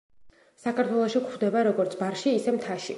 საქართველოში გვხვდება როგორც ბარში, ისე მთაში.